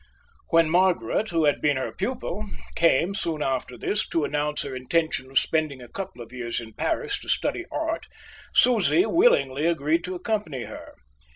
When Margaret, who had been her pupil, came, soon after this, to announce her intention of spending a couple of years in Paris to study art, Susie willingly agreed to accompany her.